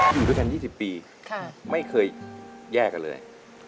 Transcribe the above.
อยู่ด้วยกัน๒๐ปีไม่เคยแยกกันเลย